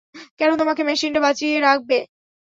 কেন তোমাকে মেশিনেরা বাঁচিয়ে রাখবে?